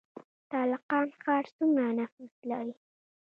تالقان ښار څومره نفوس لري؟